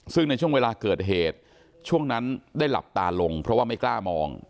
ซึ่งในช่วงเวลาเกิดเหตุช่วงนั้นได้หลับตาลงเพราะว่าไม่กล้ามอง